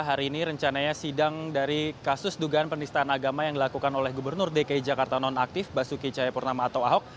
hari ini rencananya sidang dari kasus dugaan penistaan agama yang dilakukan oleh gubernur dki jakarta nonaktif basuki cahayapurnama atau ahok